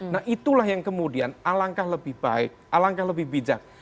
nah itulah yang kemudian alangkah lebih baik alangkah lebih bijak